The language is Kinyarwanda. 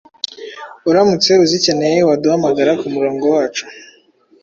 Uramutse uzikeneye waduhamagara kumurongo wacu